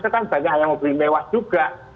itu kan banyak yang mobil mewah juga